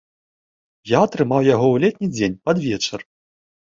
Я атрымаў яго ў летні дзень, пад вечар.